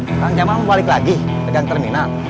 sekarang zaman membalik lagi pegang terminal